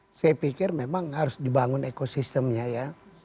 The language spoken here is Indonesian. ya saya pikir memang harus dibangun ekosistemnya ya